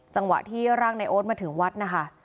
จังหวะที่ร่างในโอ๊ตมาถึงวัดนะคะ